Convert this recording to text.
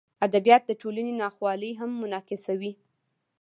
ادبیات د ټولنې ناخوالې هم منعکسوي.